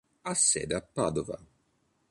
Ha sede a Padova.